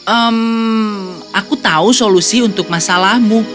ehm aku tahu solusi untuk masalahmu